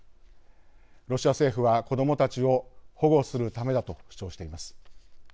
ロシア政府は子どもたちを保護するためだと主張しています。